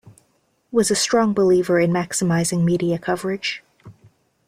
was a strong believer in maximizing media coverage.